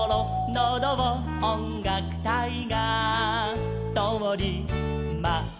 「のどをおんがくたいがとおります」